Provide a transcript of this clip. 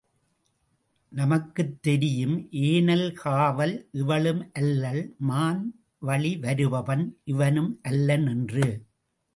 நமக்குத் தெரியும் ஏனல் காவல் இவளும் அல்லள், மான் வழிவருபவன் இவனும் அல்லன் என்று.